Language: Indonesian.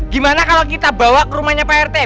gimana kalau kita bawa ke rumahnya pak retek